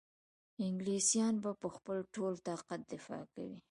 انګلیسیان به په خپل ټول طاقت دفاع کوي.